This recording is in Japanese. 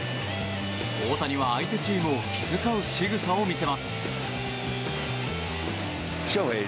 大谷は相手チームを気遣うしぐさを見せます。